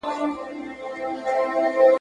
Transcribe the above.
او که هسي شین امي نیم مسلمان یې